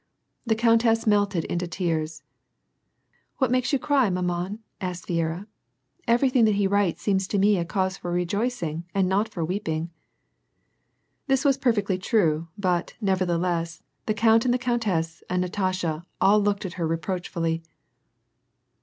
The countess melted into tears " What makes you cry, maman ?" asked Viera. ^^ Everything that he writes seems to me a cause for rejoicing, and not for weeping !" This was perfectly true, but, nevertheless, the count and the countess, and Natasha, all looked at her reproachfully.